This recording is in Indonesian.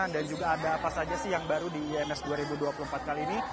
juga ada apa saja sih yang baru di ims dua ribu dua puluh empat kali ini